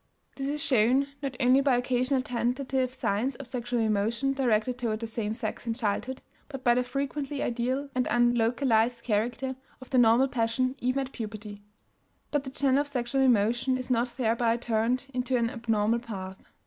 This is shown not only by occasional tentative signs of sexual emotion directed toward the same sex in childhood, but by the frequently ideal and unlocalized character of the normal passion even at puberty. But the channel of sexual emotion is not thereby turned into an abnormal path.